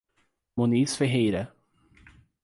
Muniz Ferreira